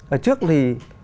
ở trước thì